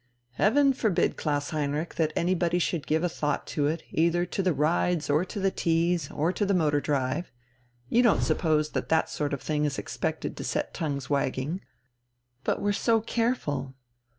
"Heaven forbid, Klaus Heinrich, that anybody should give a thought to it, either to the rides, or to the teas, or to the motor drive. You don't suppose that that sort of thing is expected to set tongues wagging!" "But we're so careful!"